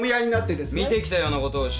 見てきたようなことを。